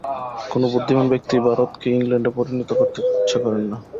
কোন বুদ্ধিমান ব্যক্তিই ভারতকে ইংলণ্ডে পরিণত করিতে ইচ্ছা করেন না।